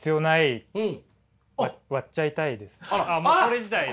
もうこれ自体ね。